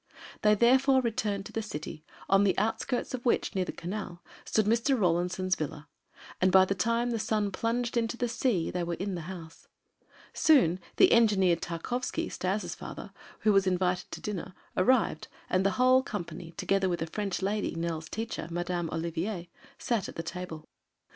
They, therefore, returned to the city, on the outskirts of which, near the Canal, stood Mr. Rawlinson's villa, and by the time the sun plunged into the sea they were in the house. Soon, the engineer Tarkowski, Stas' father, who was invited to dinner arrived, and the whole company, together with a French lady, Nell's teacher, Madame Olivier, sat at the table.